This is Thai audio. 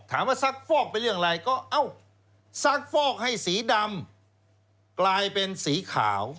ซักฟอกไปเรื่องอะไรก็เอ้าซักฟอกให้สีดำกลายเป็นสีขาว